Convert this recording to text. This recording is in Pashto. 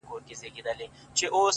o بنگړي نه غواړم؛